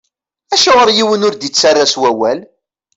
Acuɣeṛ yiwen ur d-ittarra s wawal?